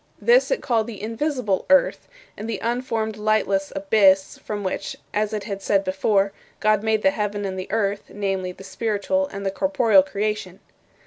This it called the invisible 'earth' and the unformed and lightless 'abyss,' from which as it had said before God made the heaven and the earth (namely, the spiritual and the corporeal creation)."